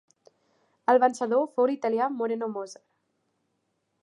El vencedor fou l'italià Moreno Moser.